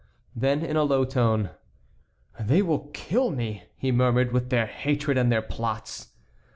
Then in a low tone: "They will kill me," he murmured, "with their hatred and their plots."